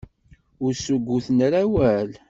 Ur ssugguten ara awal.